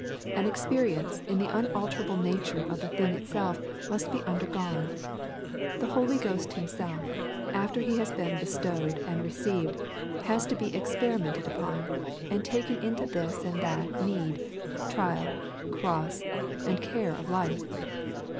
An experience in the unalterable nature of the thing itself must be undergone. The Holy Ghost Himself after He has been bestowed and received has to be experimented upon, and taken into this and that need, trial, cross, and care of life.